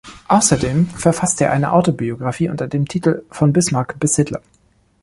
Außerdem verfasste er eine Autobiographie unter dem Titel "Von Bismarck bis Hitler".